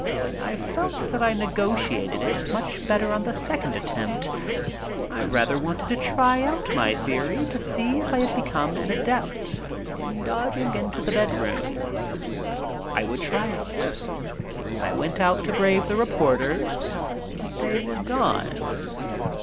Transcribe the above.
I felt that I negotiated it much better on the second attempt. I rather wanted to try out my theory to see if I had become an adept in dodging into the bedroom. I would try it. I went out to brave the reporters. But they were gone.